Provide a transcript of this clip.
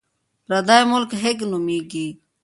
پردی ملک خیګ نومېږي.